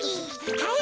はい。